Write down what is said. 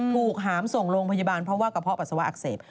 หามส่งโรงพยาบาลเพราะว่ากระเพาะปัสสาวะอักเสบ